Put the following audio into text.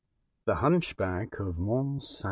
THE HUNCHBACK OF MONT ST.